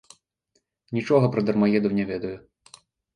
Нічога пра дармаедаў не ведаю.